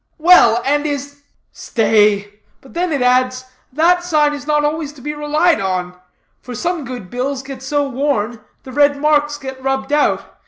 "Well, and is " "Stay. But then it adds, that sign is not always to be relied on; for some good bills get so worn, the red marks get rubbed out.